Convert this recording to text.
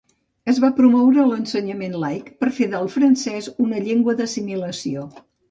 Es va promoure l'ensenyament laic, per fer del francès una llengua d'assimilació.